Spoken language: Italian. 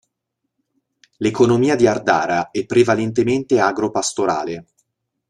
L'economia di Ardara è prevalentemente agro-pastorale.